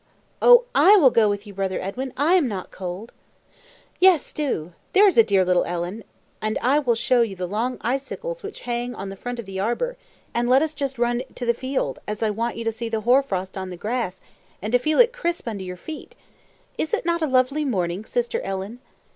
"O! I will go with you, brother Edwin; I am not cold." "Yes, do, there's a dear little Ellen, and I will show you the long icicles which hang on the front of the arbor; and let us just run to the field, as I want you to see the hoar frost on the grass, and to feel it crisp under your feet. Is it not a lovely morning, sister Ellen?"